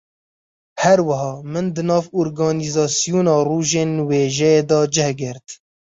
Her wiha, min di nav organîzasyona Rojên Wêjeyê de cih girt